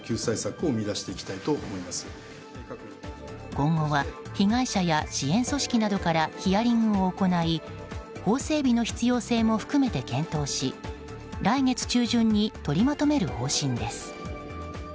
今後は被害者や支援組織などからヒアリングを行い法整備の必要性も含めて検討し来月中旬に取りまとめる方針です。